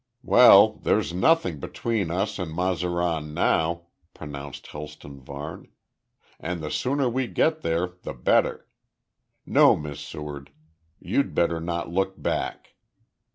"Well, there's nothing between us and Mazaran now," pronounced Helston Varne, "and the sooner we get there the better. No, Miss Seward. You'd better not look back.